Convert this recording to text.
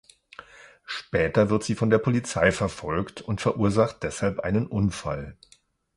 Später wird sie von der Polizei verfolgt und verursacht deshalb einen Unfall.